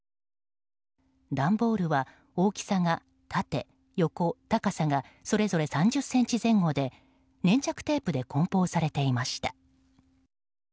段ボールは大きさが縦、横、高さがそれぞれ３０ｃｍ前後で粘着テープで梱包されていました。